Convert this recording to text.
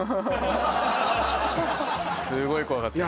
すごい怖かったです